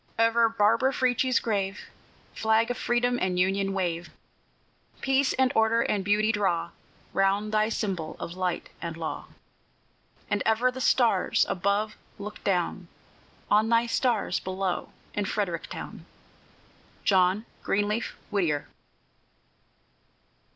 Over Barbara Frietchie's grave, Flag of Freedom and Union, wave! Peace and order and beauty draw Round thy symbol of light and law; And ever the stars above look down On thy stars below in Frederick town! JOHN GREENLEAF WHITTIER.